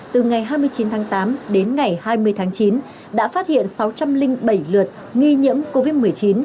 từ ngày hai mươi chín tháng tám đến ngày hai mươi tháng chín đã phát hiện sáu trăm linh bảy lượt nghi nhiễm covid một mươi chín